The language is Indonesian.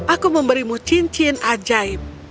aku memberimu cincin ajaib